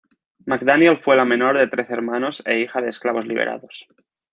McDaniel fue la menor de trece hermanos e hija de esclavos liberados.